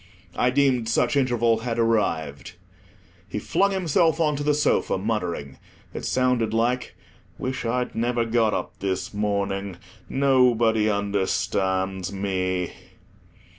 I deemed such interval had arrived. He flung himself on to the sofa, muttering. It sounded like—"Wish I'd never got up this morning. Nobody understands me."